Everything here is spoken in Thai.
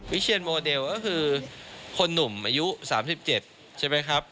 วิเชียรมอเดลก็คือคนหนุ่มอายุ๓๗ใช่มั้ยครับ